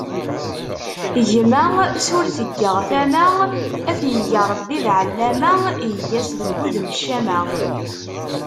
Gma s ur teggaɣ tama, ad t-yeg Ṛebbi d ɛellama, yeg-as deg wudem ccama.